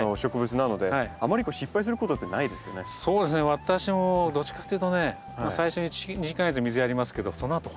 私もどっちかっていうとね最初の１２か月水やりますけどそのあとほったらかしです。